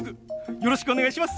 よろしくお願いします！